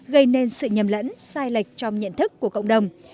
gây nên sự nhầm lẫn sai lệch trong nhận thức của cộng đồng